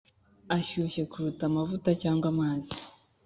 ashyushye kuruta amavuta cyangwa amazi,